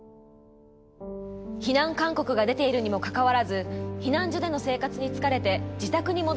避難勧告が出ているにもかかわらず避難所での生活に疲れて自宅に戻った人が多くいたのです。